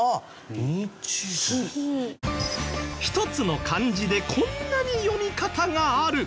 １つの漢字でこんなに読み方がある。